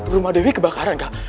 rumah dewi kebakaran kak